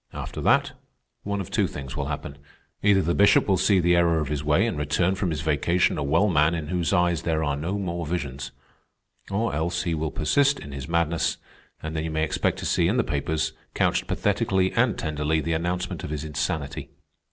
After that, one of two things will happen: either the Bishop will see the error of his way and return from his vacation a well man in whose eyes there are no more visions, or else he will persist in his madness, and then you may expect to see in the papers, couched pathetically and tenderly, the announcement of his insanity.